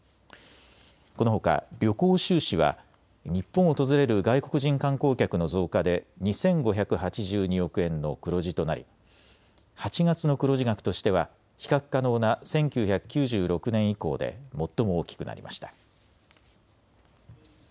このほか旅行収支は日本を訪れる外国人観光客の増加で２５８２億円の黒字となり８月の黒字額としては比較可能な１９９６年以降で最も大きくなりました。